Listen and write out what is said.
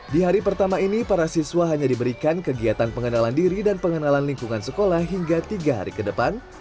di hari pertama ini para siswa hanya diberikan kegiatan pengenalan diri dan pengenalan lingkungan sekolah hingga tiga hari ke depan